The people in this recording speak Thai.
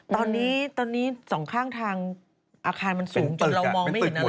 ตอนนี้สองข้างทางอาคารมันสูงจนเรามองไม่เห็นอะไร